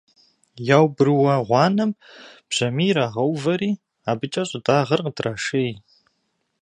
Яубрыуа гъуанэм бжьамий ирагъэувэри абыкӀэ щӀыдагъэр къыдрашей.